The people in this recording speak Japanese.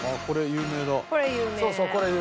これ有名。